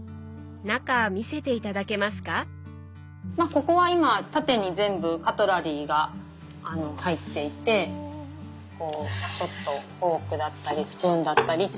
まあここは今縦に全部カトラリーが入っていてこうちょっとフォークだったりスプーンだったりっていう。